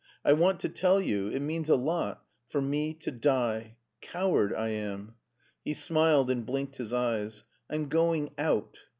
I want to tell you — it means a lot — for me — ^to die. Coward I am." He smiled and blinked his eyes. " I'm going out.